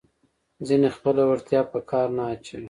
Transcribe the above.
ځینې خپله وړتیا په کار نه اچوي.